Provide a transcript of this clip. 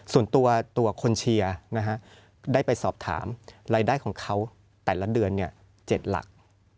ส่วนตัวคนเชียร์ได้ไปสอบถามรายได้ของเขาแต่ละเดือน๗หลัก